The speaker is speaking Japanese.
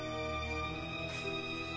フッ。